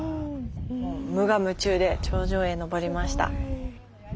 もう無我夢中で頂上へ登りました。